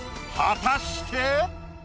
果たして。